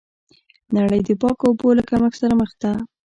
نړۍ د پاکو اوبو له کمښت سره مخ ده.